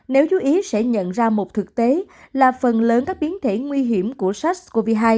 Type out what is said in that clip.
nếu chú ý sẽ nhận ra một thực tế là phần lớn các biến thể nguy hiểm của sars cov hai